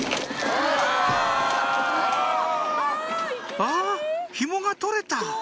「あひもが取れた」